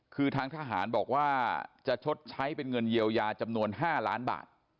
คือทางทหารบอกว่าจะชดใช้เป็นเงินเยียวยาจำนวน๕ล้านบาท